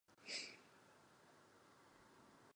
To se mi jeví jako velmi důležitá skutečnost.